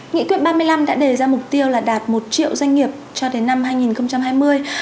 nghị quyết ba mươi năm đã đề ra mục tiêu là đạt một triệu doanh nghiệp cho đến năm hai nghìn hai mươi